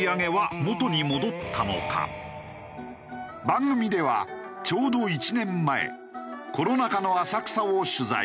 番組ではちょうど１年前コロナ禍の浅草を取材。